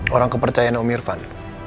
orang kepercayaan om irfan